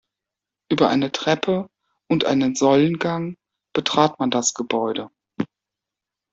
Über eine Treppe und einen Säulengang betrat man das Gebäude.